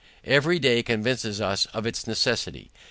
Every day convinces us of its necessity.